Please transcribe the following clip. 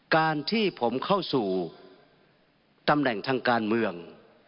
การที่ผมเข้าสู่ตำแหน่งทางการเมือง